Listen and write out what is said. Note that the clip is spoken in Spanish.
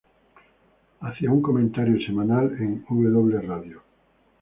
Hacía un comentario semanal en W Radio.